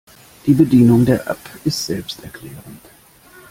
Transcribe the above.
Die Bedienung der App ist selbsterklärend.